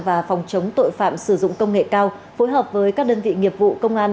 và phòng chống tội phạm sử dụng công nghệ cao phối hợp với các đơn vị nghiệp vụ công an